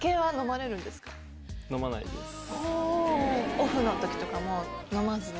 オフの時とかも飲まずに？